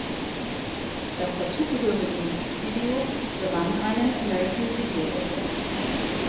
Das dazugehörige Musikvideo gewann einen „American Video Award“.